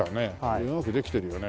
うまくできてるよね。